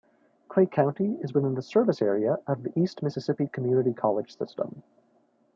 Clay County is within the service area of the East Mississippi Community College system.